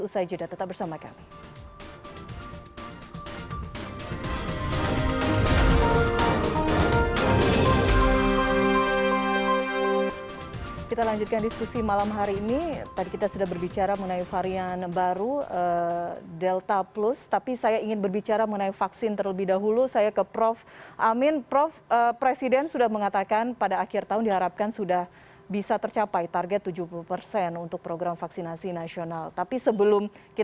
usai jeda tetap bersama kami